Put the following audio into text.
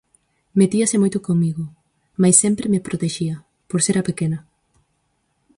Metíase moito comigo, mais sempre me protexía, por ser a pequena.